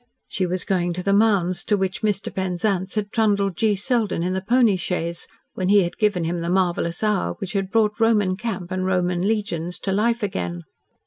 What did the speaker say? She was going to the mounds to which Mr. Penzance had trundled G. Selden in the pony chaise, when he had given him the marvellous hour which had brought Roman camp and Roman legions to life again.